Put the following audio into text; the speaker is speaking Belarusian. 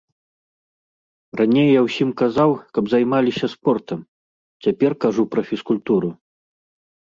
Раней я ўсім казаў, каб займаліся спортам, цяпер кажу пра фізкультуру.